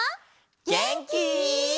げんき？